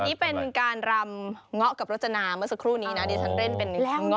อันนี้เป็นการรำเมื่อสักครู่นี้นาดีฉันเล่นเป็น